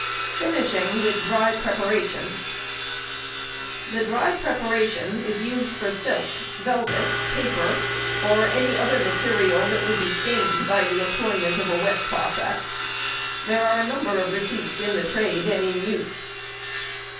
Finishing with Dry Preparation.—The dry preparation is used for silk, velvet, paper, or any other material that would be stained by the employment of the wet process. There are a number of receipts in the trade and in use.